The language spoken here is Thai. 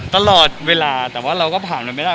ตลอดเวลาแต่ว่าเราก็ผ่านมันไม่ได้